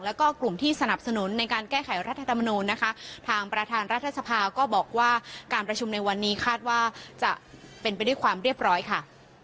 แล้วก็กลุ่มที่สนับสนุนในการแก้ไขรัฐธรรมนูลนะคะทางประธานรัฐสภาก็บอกว่าการประชุมในวันนี้คาดว่าจะเป็นไปด้วยความเรียบร้อยค่ะ